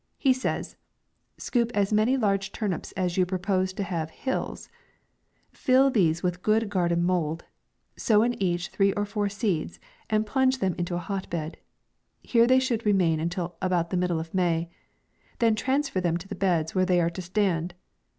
He says —" scoop as many large turnips as you propose to have hills ; fill these with good garden mould ; sow in each three or four seeds, and plunge them into a hot bed ; here they should remain until about the middle of May ; then transfer them to the beds where they are to stand.